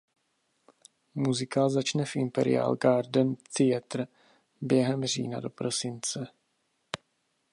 Muzikál začne v Imperial Garden Theater během října do prosince.